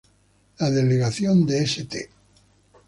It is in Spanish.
La delegación de St.